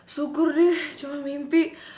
syukur deh cuma mimpi